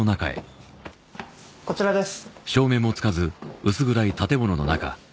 こちらです